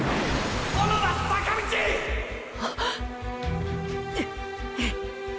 小野田坂道！！っ！！